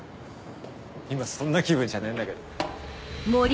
今そんな気分じゃねえんだけど。